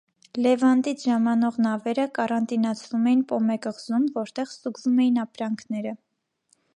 Լևանտից ժամանող նավերը կարանտինացվում էին Պոմե կղզում, որտեղ ստուգվում էին ապրանքները։